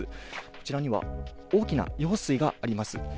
こちらには大きな用水があります。